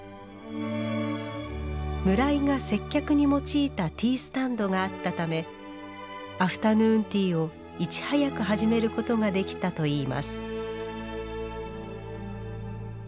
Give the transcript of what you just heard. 村井が接客に用いたティースタンドがあったためアフタヌーンティーをいち早く始めることができたといいます